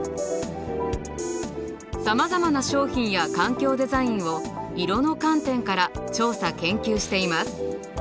さまざまな商品や環境デザインを色の観点から調査研究しています。